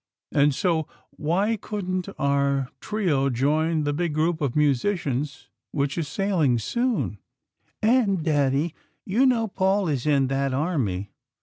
And so, why couldn't our trio join that big group of musicians which is sailing soon? And, Daddy, you know Paul is in that army.